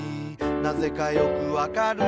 なぜかよくわかる」